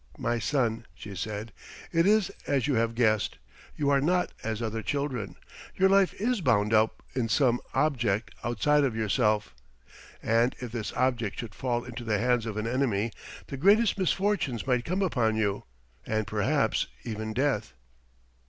"My son," she said, "it is as you have guessed. You are not as other children. Your life is bound up in some object outside of yourself, and if this object should fall into the hands of an enemy the greatest misfortunes might come upon you, and perhaps even death."